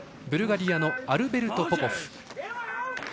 ブルガリアのアルベルト・ポポフ。